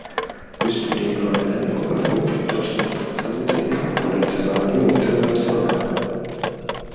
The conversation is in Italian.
Questo libro, all'epoca, fu piuttosto importante in campo letterario internazionale.